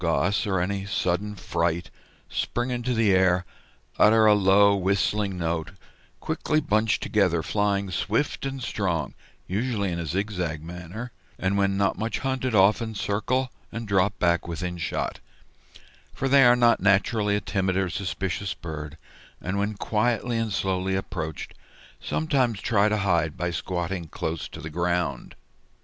Goss, "or any sudden fright, spring into the air, utter a low whistling note, quickly bunch together, flying swift and strong, usually in a zigzag manner, and when not much hunted often circle and drop back within shot; for they are not naturally a timid or suspicious bird, and when quietly and slowly approached, sometimes try to hide by squatting close to the ground."